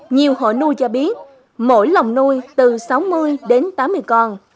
nhiều hộ nuôi cho biết mỗi lồng nuôi từ sáu mươi đến tám mươi con